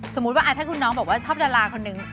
สมมุติว่าถ้าคุณน้องบอกว่าชอบดาราคนนึง